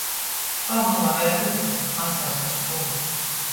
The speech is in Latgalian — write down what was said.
Pamuove ar rūku, asars ar spuru.